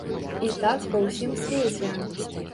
І так ва ўсім свеце.